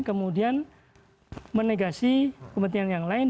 kemudian menegasi kepentingan yang lain